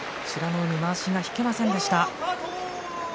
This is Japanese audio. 海はまわしが引けませんでした。